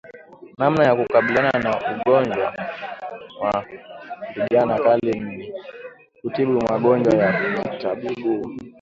Namna ya kukabiliana na ugonjwa wa ndigana kali ni kutibu magonjwa ya kitabibu